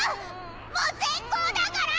もう絶交だから！